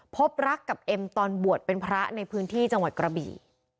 พบรักกับเอ็มตอนบวชเป็นพระในพื้นที่จังหวัดกระบี่